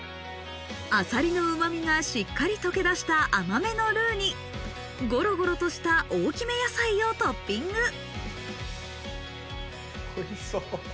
アサリのうまみが、しっかり溶け出した甘めのルーに、ゴロゴロとした大きめ野菜をトッピング。